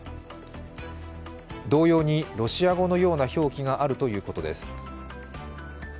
同様にロシア語のような表記があるということです。